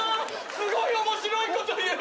すごい面白いこと言う！